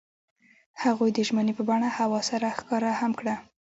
هغوی د ژمنې په بڼه هوا سره ښکاره هم کړه.